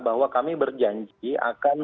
bahwa kami berjanji akan